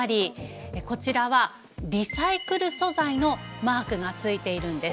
こちらはリサイクル素材のマークがついているんです。